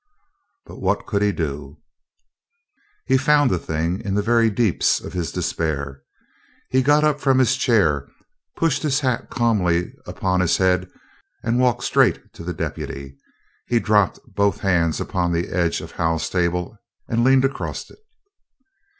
But what could he do? He found a thing in the very deeps of his despair. He got up from his chair, pushed his hat calmly upon his head and walked straight to the deputy. He dropped both hands upon the edge of Hal's table and leaned across it.